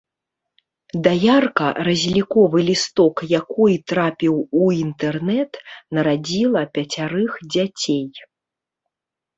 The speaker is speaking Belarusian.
Даярка, разліковы лісток якой трапіў у інтэрнэт, нарадзіла пяцярых дзяцей.